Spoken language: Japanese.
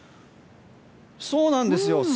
そうなんですよ。